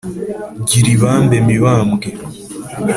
gira ibambe mibambwe